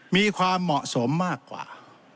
มีความเหมาะสมมากกว่า